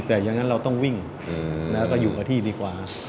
แต่อย่างนั้นเราต้องวิ่งแล้วก็อยู่กับที่ดีกว่า